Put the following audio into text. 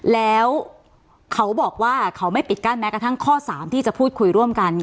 แล้วเขาบอกว่าเขาไม่ปิดกั้นแม้กระทั่งข้อ๓ที่จะพูดคุยร่วมกัน